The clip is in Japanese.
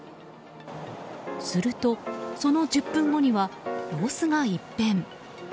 すると、その１０分後には様子が一変。